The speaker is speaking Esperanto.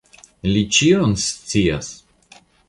Li ĉion sciis?